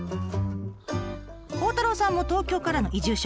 孝太郎さんも東京からの移住者。